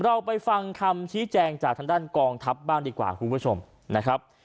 เราไปฟังคำชี้แจงจากทางด้านกองทัพบ้างดีกว่าคุณผู้ชมนะครับ